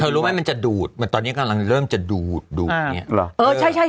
เธอรู้ไหมมันจะดูดเหมือนตอนนี้กำลังเริ่มจะดูดดูดเนี่ย